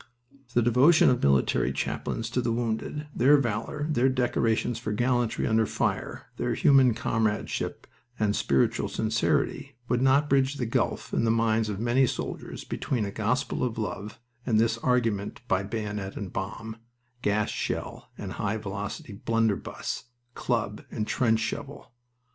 The devotion of military chaplains to the wounded, their valor, their decorations for gallantry under fire, their human comradeship and spiritual sincerity, would not bridge the gulf in the minds of many soldiers between a gospel of love and this argument by bayonet and bomb, gas shell and high velocity, blunderbuss, club, and trench shovel.